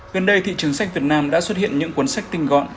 gần đây thị trường sách việt nam đã xuất hiện những cuốn sách tinh gọn